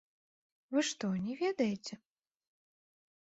Вы што, не ведаеце?!